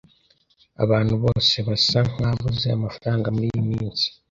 Abantu bose basa nkabuze amafaranga muriyi minsi.